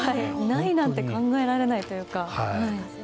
ないなんて考えられないというか。